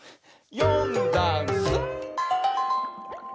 「よんだんす」